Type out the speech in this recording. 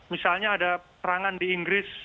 misalnya ada perangan di inggris